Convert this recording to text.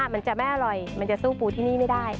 มันจะไม่อร่อยมันจะสู้ปูที่นี่ไม่ได้